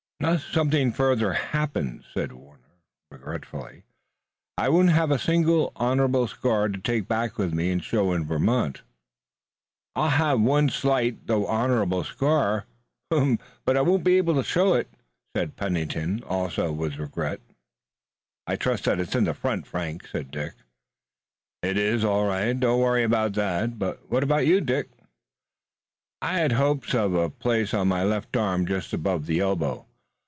"Unless something further happens," said Warner, regretfully, "I won't have a single honorable scar to take back with me and show in Vermont." "I'll have one slight, though honorable, scar, but I won't be able to show it," said Pennington, also with regret. "I trust that it's in front, Frank," said Dick. "It is, all right. Don't worry about that. But what about you, Dick?" "I had hopes of a place on my left arm just above the elbow.